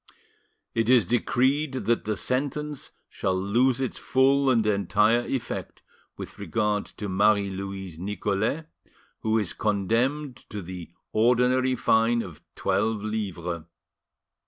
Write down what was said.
"It is decreed that the sentence shall lose its full and entire effect with regard to Marie Louise Nicolais, who is condemned to the ordinary fine of twelve livres.